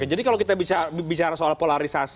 jadi kalau kita bicara soal polarisasi